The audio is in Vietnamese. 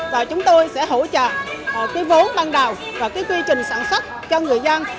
và chúng tôi sẽ hỗ trợ cái vốn ban đầu và cái quy trình sản xuất cho người dân